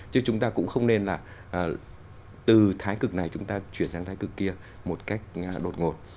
chứ chúng ta cũng không nên là từ thái cực này chúng ta chuyển sang thái cực kia một cách đột ngột